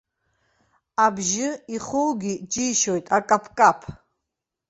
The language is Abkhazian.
Абжьы ихоугьы џьишьоит акаԥкаԥ.